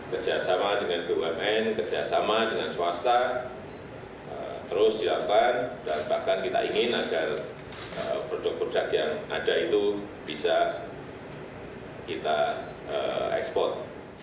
kerjasama dengan bumn kerjasama dengan swasta terus dilakukan dan bahkan kita ingin agar produk produk yang ada itu bisa kita ekspor